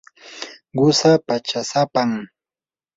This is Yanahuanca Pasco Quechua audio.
qusaa pachasapam.